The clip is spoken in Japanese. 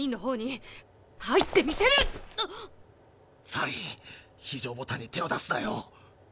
サリー非常ボタンに手を出すなよ。